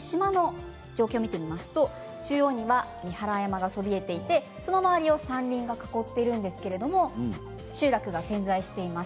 島の中央には三原山がそびえていて、その周りを山林が囲っているんですけれども集落が点在しています。